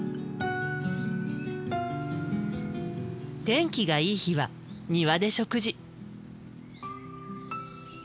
天気がいい日は庭で食事。